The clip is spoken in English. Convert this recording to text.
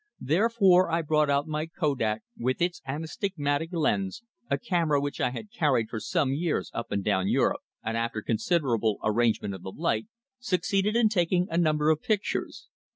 Therefore, I brought out my Kodak with its anastigmat lens, a camera which I had carried for some years up and down Europe, and after considerable arrangement of the light, succeeded in taking a number of pictures.